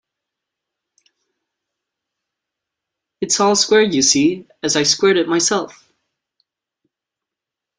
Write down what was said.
It's all squared, you see, as I squared it myself.